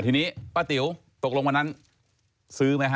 ทีนี้ป้าติ๋วตกลงวันนั้นซื้อไหมฮะ